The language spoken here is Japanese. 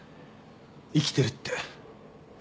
生きてるって。